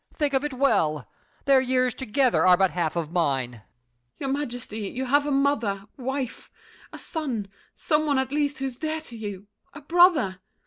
Think of it well! Their years together are but half of mine! MARION. Your Majesty, you have a mother, wife, A son—some one at least who's dear to you! A brother?